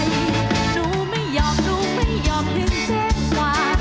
หนูไม่ยอมหนูไม่ยอมถึงเจ็บขวา